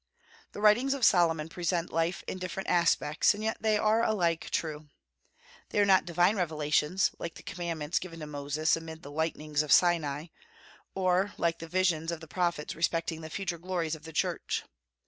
The writings of Solomon present life in different aspects, and yet they are alike true. They are not divine revelations, like the commandments given to Moses amid the lightnings of Sinai, or like the visions of the prophets respecting the future glories of the Church.